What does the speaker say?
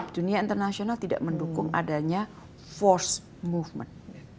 dunia internasional tidak mendukung adanya force movement